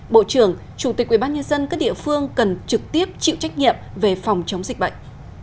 bộ trưởng chủ tịch ubnd các địa phương cần trực tiếp chịu trách nhiệm về phòng chống dịch bệnh